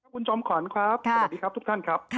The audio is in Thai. คุณจอมขวัญครับสวัสดีครับทุกท่านครับ